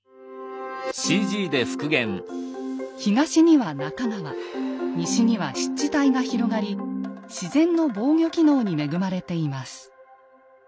東には中川西は湿地帯が広がり自然の防御機能に恵まれています。